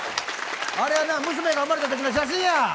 あれは娘が生まれたときの写真や。